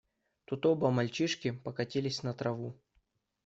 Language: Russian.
Тут оба мальчишки покатились на траву.